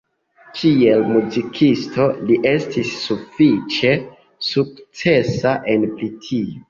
Kiel muzikisto li estis sufiĉe sukcesa en Britio.